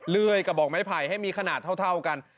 เลื่อยกระบอกไม้ไผ่ให้มีขนาดเท่ากัน